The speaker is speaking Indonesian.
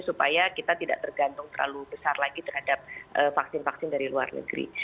supaya kita tidak tergantung terlalu besar lagi terhadap vaksin vaksin dari luar negeri